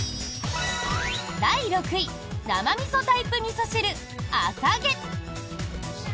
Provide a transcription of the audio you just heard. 第６位生みそタイプみそ汁あさげ。